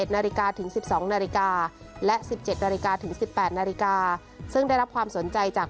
นาฬิกาถึง๑๒นาฬิกาและ๑๗นาฬิกาถึง๑๘นาฬิกาซึ่งได้รับความสนใจจาก